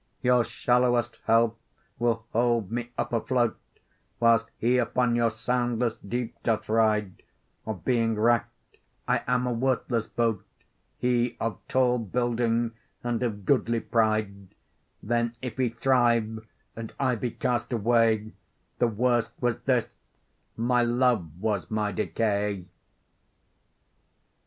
Your shallowest help will hold me up afloat, Whilst he upon your soundless deep doth ride; Or, being wrack'd, I am a worthless boat, He of tall building, and of goodly pride: Then if he thrive and I be cast away, The worst was this: my love was my decay.